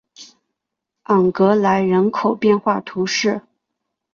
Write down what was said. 昂格莱人口变化图示